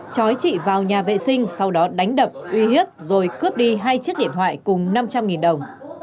chói chị vào nhà vệ sinh sau đó đánh đập uy hiếp rồi cướp đi hai chiếc điện thoại cùng năm trăm linh đồng